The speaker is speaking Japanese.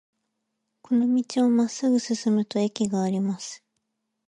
この道をまっすぐ進むと駅があります。